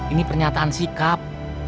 ini pernyataan sikap